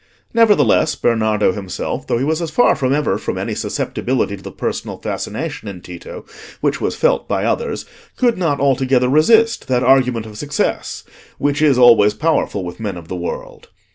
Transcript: Nevertheless, Bernardo himself, though he was as far as ever from any susceptibility to the personal fascination in Tito which was felt by others, could not altogether resist that argument of success which is always powerful with men of the world.